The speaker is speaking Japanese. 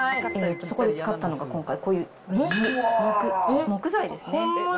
そこで使ったのが、今回、こういう木材ですね。